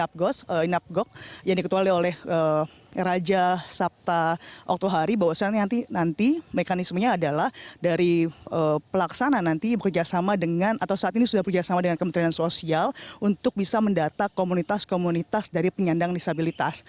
inapgok yang diketuai oleh raja sabta oktohari bahwa nanti mekanismenya adalah dari pelaksana nanti bekerjasama dengan atau saat ini sudah bekerjasama dengan kementerian sosial untuk bisa mendata komunitas komunitas dari penyandang disabilitas